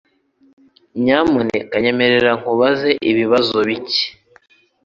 Nyamuneka nyemerera nkubaze ibibazo bike.